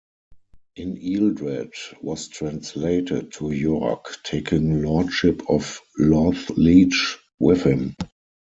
In Ealdred was translated to York, taking lordship of Lorthleach with him.